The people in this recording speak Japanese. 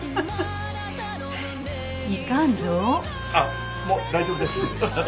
あっもう大丈夫です。